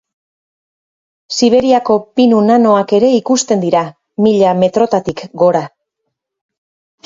Siberiako pinu nanoak ere ikusten dira mila metrotatik gora.